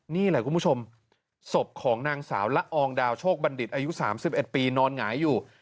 นี่แหละคุณผู้ชมศพของนางสาวละอองดาวโชคบัณฑิตอายุ๓๑ปีนอนหงายอยู่